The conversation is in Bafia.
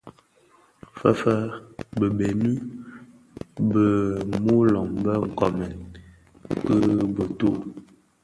Fëfë, bëbëni bè muloň bë koomèn ki bituu.